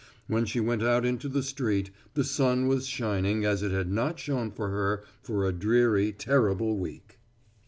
When she went out into the street, the sun was shining as it had not shone for her for a dreary terrible week.